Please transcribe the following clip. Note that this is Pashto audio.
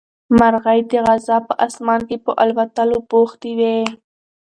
مرغۍ د غزا په اسمان کې په الوتلو بوختې وې.